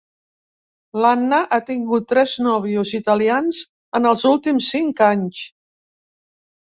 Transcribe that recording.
L'Anna ha tingut tres nòvios italians en els últims cinc anys.